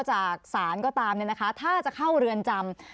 จากศาลก็ตามเนี่ยนะคะถ้าจะเข้าเรือนจำ